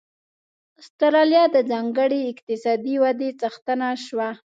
اسټرالیا د ځانګړې اقتصادي ودې څښتنه شوه.